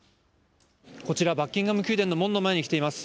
こちらバッキンガム宮殿の門の前に来ています。